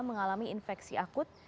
mengalami infeksi akut